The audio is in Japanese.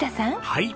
はい。